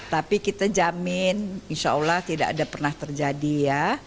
tapi kita jamin insya allah tidak ada pernah terjadi ya